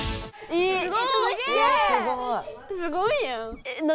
すごいやん！